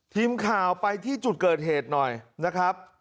ทีมข่าวไปที่จุดเกิดเหตุหน่อยนะครับ